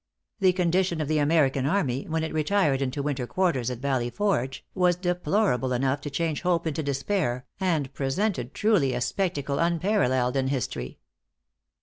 The condition of the American army, when it retired into winter quarters at Valley Forge, was deplorable enough to change hope into despair, and presented truly a spectacle unparalleled in history.